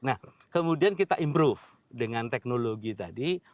nah kemudian kita improve dengan teknologi tadi